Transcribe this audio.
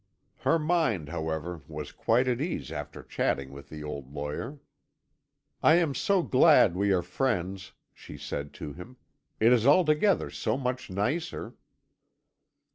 Her mind, however, was quite at ease after chatting with the old lawyer. "I am so glad we are friends," she said to him; "it is altogether so much nicer."